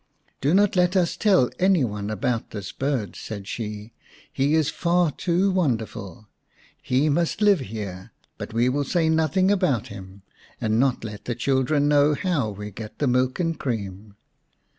" Do not let us tell any one about this bird," said she, "he is far too wonderful. He must live here, but we will say nothing about him, and not let the children know how we get the milk and cream."